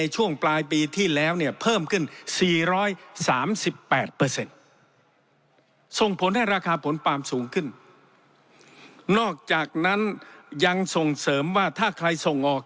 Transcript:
ส่งผลให้ราคาผลปาล์มสูงขึ้นนอกจากนั้นยังส่งเสริมว่าถ้าใครส่งออก